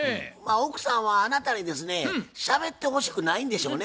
奥さんはあなたにですねしゃべってほしくないんでしょうね